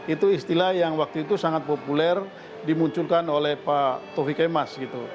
itu istilah yang waktu itu sangat populer dimunculkan oleh pak taufik kemas